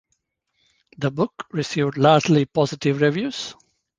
The book received largely positive reviews.